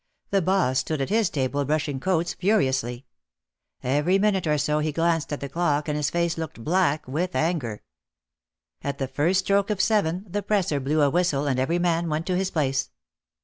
The boss stood at his table brushing coats furiously. Every minute or so he glanced at the clock and his face looked black with anger. At the first stroke of seven the presser blew a whistle and every man went to his place.